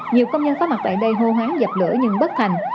nhiều công nhân có mặt tại đây hô hoáng dập lửa nhưng bất thành